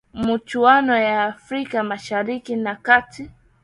michuano ya afrika mashariki na kati